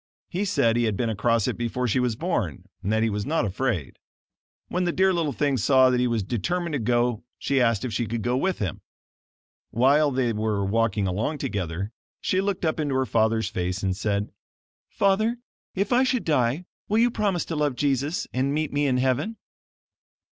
He said he had been across it before she was born, and that he was not afraid. When the dear little thing saw that he was determined to go she asked if she could go with him. While they were walking along together, she looked up into her father's face, and said: "Father, if I should die, will you promise to love Jesus and meet me in heaven?"